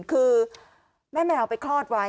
คือแม่แมวไปคลอดไว้